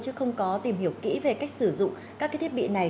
chứ không có tìm hiểu kỹ về cách sử dụng các thiết bị này